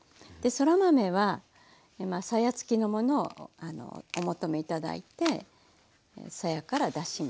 そら豆はさや付きのものをお求め頂いてさやから出しますね。